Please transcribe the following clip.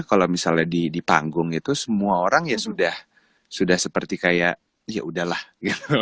kalau misalnya di panggung itu semua orang ya sudah seperti kayak ya udahlah gitu